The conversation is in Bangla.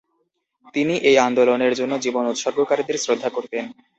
তিনি এই আন্দোলনের জন্য জীবন উৎসর্গকারীদের শ্রদ্ধা করতেন।